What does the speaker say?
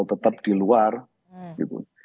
tetap di luar gitu